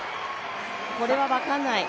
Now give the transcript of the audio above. これは分かんない。